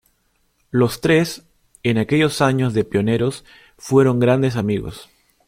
Los tres, en aquellos años de pioneros, fueron grandes amigos.